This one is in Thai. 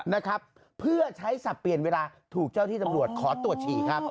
นะครับเพื่อใช้สับเปลี่ยนเวลาถูกเจ้าที่ตำรวจขอตรวจฉี่ครับ